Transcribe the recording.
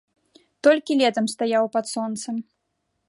Толькі летам стаяў пад сонцам.